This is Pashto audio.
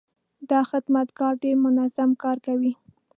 دا خدمتګر ډېر منظم کار کوي.